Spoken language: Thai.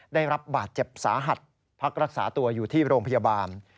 ได้รับบาดเจ็บสาหัสพักรักษาตัวอยู่ที่โรงพยาบาล